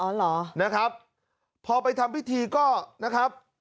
เหรอนะครับพอไปทำพิธีก็นะครับ